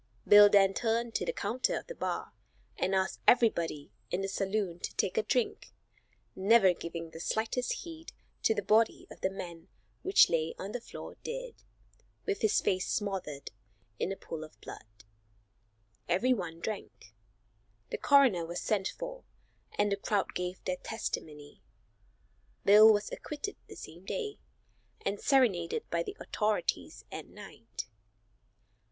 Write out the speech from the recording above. Bill then turned back to the counter of the bar, and asked everybody in the saloon to take a drink, never giving the slightest heed to the body of the man which lay on the floor dead, with his face smothered in a pool of blood. Everyone drank. The coroner was sent for and the crowd gave their testimony. Bill was acquitted the same day, and serenaded by the authorities at night.